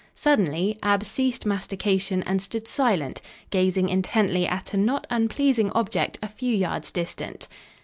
Suddenly Ab ceased mastication and stood silent, gazing intently at a not unpleasing object a few yards distant.